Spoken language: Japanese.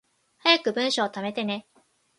早く文章溜めてね